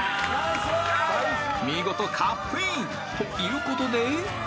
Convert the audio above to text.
［見事カップインということで］